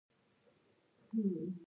د زنجبیل ریښه د څه لپاره وکاروم؟